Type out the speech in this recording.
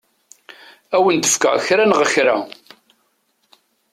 Ad awen-d-fkeɣ kra neɣ kra.